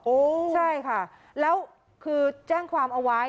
ใช่ค่ะแล้วคือแจ้งความเอาไว้